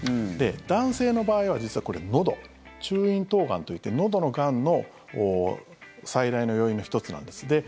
男性の場合は実はのど、中咽頭がんといってのどのがんの最大の要因の１つなんです。